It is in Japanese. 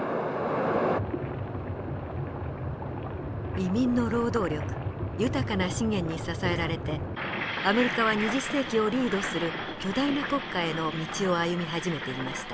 移民の労働力豊かな資源に支えられてアメリカは２０世紀をリードする巨大な国家への道を歩み始めていました。